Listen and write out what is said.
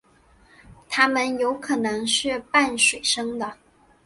它们有可能是半水生的。